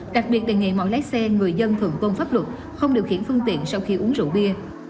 đặc biệt đề nghị mọi lái xe người dân thượng tôn pháp luật không điều khiển phương tiện sau khi uống rượu bia